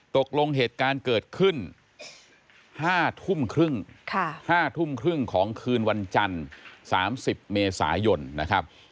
ตกลงเหตุการณ์เกิดขึ้น๕ทุ่มครึ่ง๕ทุ่มครึ่งของคืนวันจันทร์๓๐เมษายนนะครับ